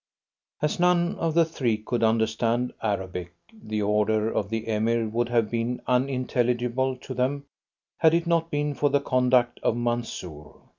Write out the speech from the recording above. As none of the three could understand Arabic, the order of the Emir would have been unintelligible to them had it not been for the conduct of Mansoor.